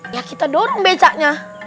ya kita dorong becanya